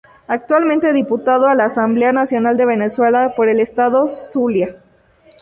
Actualmente diputado a la Asamblea Nacional de Venezuela por el estado Zulia.